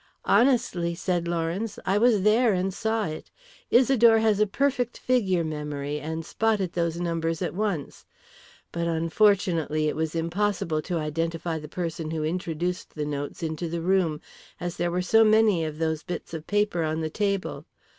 "Honestly," said Lawrence; "I was there and saw it. Isidore has a perfect figure memory, and spotted those numbers at once. But unfortunately it was impossible to identify the person who introduced the notes into the room, as there were so many of those bits of paper on the table.